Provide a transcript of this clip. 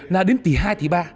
là đến tỷ hai tỷ ba